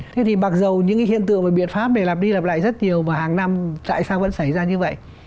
thế thì mặc dù những cái hiện tượng và biện pháp để lặp đi lặp lại rất nhiều và hàng năm tại sao vẫn xảy ra như vậy